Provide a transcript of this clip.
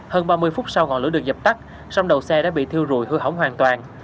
hơn ba mươi phút sau ngọn lỗ được dập tắt sông đầu xe đã bị thiêu rùi hư hỏng hoàn toàn